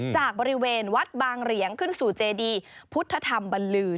จากบริเวณวัดบางเหรียงขึ้นสู่เจดีพุทธธรรมบรรลือ